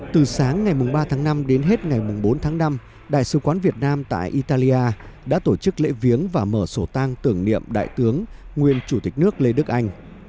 từ sáng ngày ba tháng năm đến hết ngày bốn tháng năm đại sứ quán việt nam tại italia đã tổ chức lễ viếng và mở sổ tăng tưởng niệm đại tướng nguyên chủ tịch nước lê đức anh